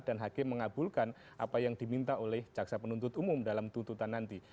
dan hakim mengabulkan apa yang diminta oleh jaksa penuntut umum dalam tuntutan nanti